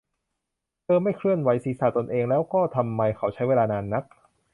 เธอไม่เคลื่อนไหวศีรษะตนเอง แล้วก็ ทำไมเขาใช้เวลานานนัก